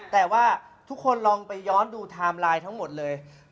แต่ว่าทุกคนลองไปย้อนดูไทม์ไลน์ทั้งหมดเลย